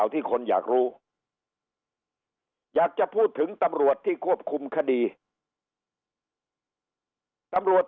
ที่คนอยากรู้อยากจะพูดถึงตำรวจที่ควบคุมคดีตำรวจ